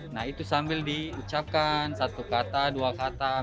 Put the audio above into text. nah itu sambil diucapkan satu kata dua kata